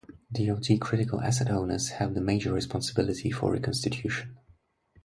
DoD critical asset owners have the major responsibility for reconstitution.